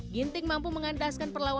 ginting mampu mengandaskan perlahan